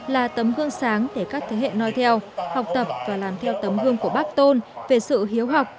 là tấm gương sáng để các thế hệ nói theo học tập và làm theo tấm gương của bác tôn về sự hiếu học